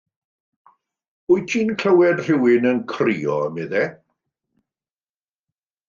Wyt ti'n clywed rhywun yn crio, meddai.